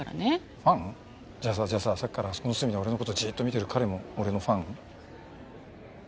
じゃあさじゃあささっきからあそこの隅で俺の事ジーッと見てる彼も俺のファン？